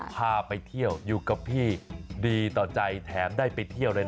พาไปเที่ยวอยู่กับพี่ดีต่อใจแถมได้ไปเที่ยวด้วยนะ